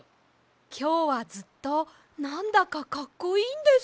きょうはずっとなんだかかっこいいんです。